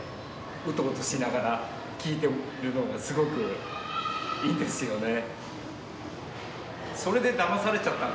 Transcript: ウトウトしながら聴いてるのがすごくいいんですよね。